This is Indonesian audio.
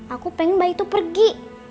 aku pengen bayi itu pergi